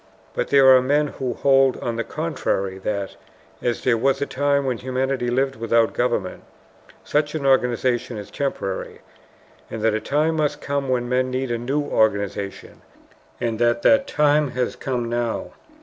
But there are men who hold on the contrary that, as there was a time when humanity lived without government, such an organization is temporary, and that a time must come when men need a new organization, and that that time has come now.